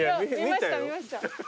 見ました。